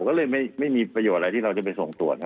ก็เลยไม่มีประโยชน์อะไรที่เราจะไปส่งตรวจ